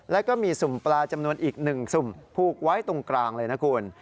แล้วก็มีสุ่มปลาจำนวนอีก๑สุ่มผูกไว้ตรงกลางเลยนะคุณ